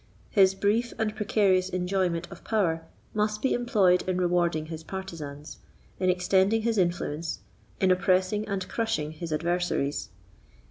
His brief and precarious enjoyment of power must be employed in rewarding his partizans, in extending his influence, in oppressing and crushing his adversaries.